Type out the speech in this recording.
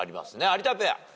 有田ペア。